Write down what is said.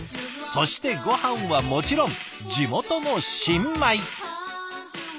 そしてごはんはもちろん地元の新米！